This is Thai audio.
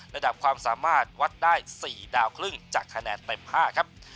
ระดับความสามารถวัดได้๔ดาวครึ่งจากคะแนนเต็ม๕ครับ